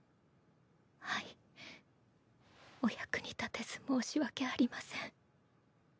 はいお役に立てず申し訳ありません。